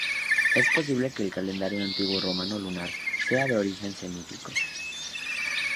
Es posible que el calendario antiguo romano lunar sea de origen semítico.